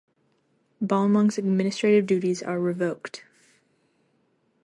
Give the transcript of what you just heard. Balmung's administrative duties are revoked.